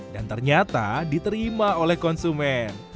dan ternyata diterima oleh konsumen